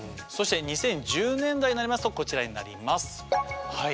そして２０１０年代になりますとこちらになります。